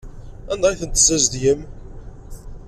Anda ay tent-tessazedgem?